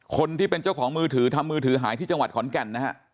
คนที่เป็นเจ้าของมือถือทำมือถือหายที่จังหวัดขอนแก่นนะฮะ